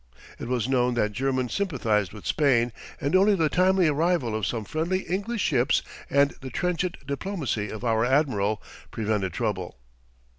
It was known that Germany sympathized with Spain, and only the timely arrival of some friendly English ships, and the trenchant diplomacy of our admiral, prevented trouble.